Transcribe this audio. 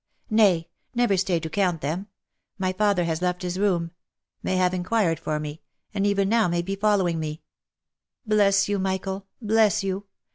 Nay, never stay to count them! My father has left his room — may have inquired for me — and even now be following me. Bless you, Michael ! Bless you